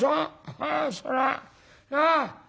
ああそらなあ。